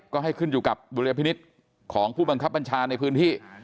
ก็ให้ขึ้นอยู่กับดุลยพินิษฐ์ของผู้บังคับบัญชาในพื้นที่